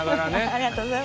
ありがとうございます。